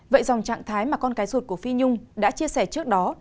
vậy dòng trạng thái mà con cái ruột của phi nhung đã chia sẻ trước đó